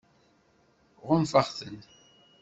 Ɣunfaɣ-tent.